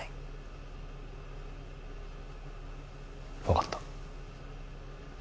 わかった。